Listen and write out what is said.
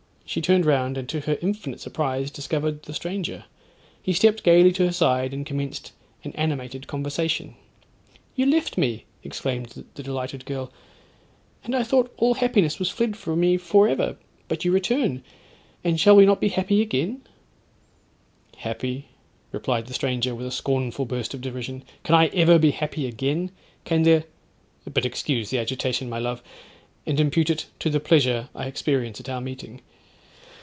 She turned round, and to her infinite surprise discovered the stranger. He stepped gaily to her side, and commenced an animated conversation. 'You left me,' exclaimed the delighted girl; 'and I thought all happiness was fled from me for ever; but you return, and shall we not again be happy?'—'Happy,' replied the stranger, with a scornful burst of derision, 'Can I ever be happy again—can there;—but excuse the agitation, my love, and impute it to the pleasure I experience at our meeting.